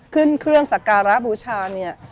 ขึ้นเครื่องสักการะบูชาเนี่ย